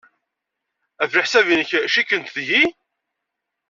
Ɣef leḥsab-nnek, cikkent deg-i?